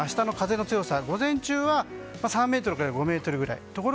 明日の風の強さ、午前中は３メートルから５メートルくらい。